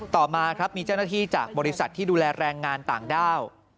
ต่อมาครับมีเจ้าหน้าที่จากบริษัทที่ดูแลแรงงานต่างด้าว